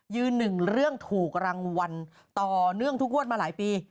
หนึ่งเรื่องถูกรางวัลต่อเนื่องทุกงวดมาหลายปี